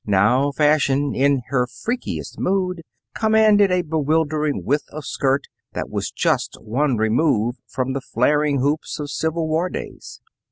Now, Fashion, in her freakiest mood, commanded a bewildering width of skirt that was just one remove from the flaring hoops of Civil War days.